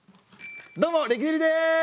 どうもレキデリです！